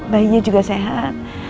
bayinya juga sehat